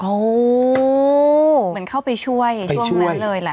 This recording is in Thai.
เหมือนเข้าไปช่วยช่วงนั้นเลยแหละ